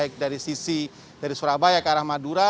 baik dari sisi dari surabaya ke arah madura